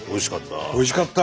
おいしかった？